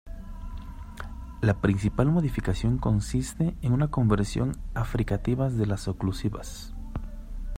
La principal modificación consiste en una conversión a fricativas de las oclusivas.